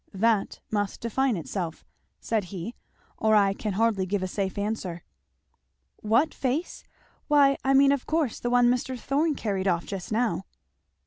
"'That' must define itself," said he, "or I can hardly give a safe answer." "What face? Why I mean of course the one Mr. Thorn carried off just now."